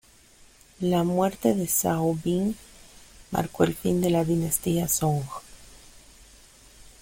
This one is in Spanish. La muerte de Zhao Bing marcó el fin de la dinastía Song.